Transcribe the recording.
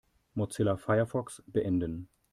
Mozilla Firefox beenden.